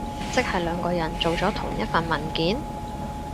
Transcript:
即係兩個人做咗同一份文件？